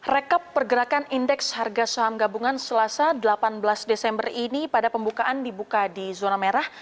rekap pergerakan indeks harga saham gabungan selasa delapan belas desember ini pada pembukaan dibuka di zona merah